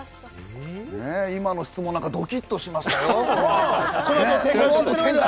今の質問、ドキっとしましたよ。